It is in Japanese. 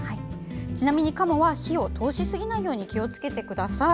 ちなみに、鴨は火を通しすぎないように気をつけてください。